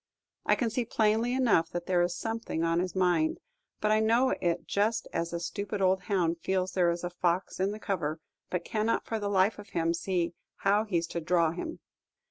I can see plainly enough that there is something on his mind; but I know it just as a stupid old hound feels there is a fox in the cover, but cannot for the life of him see how he's to "draw" him.